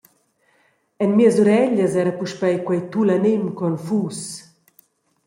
En mias ureglias era puspei quei tulanem confus.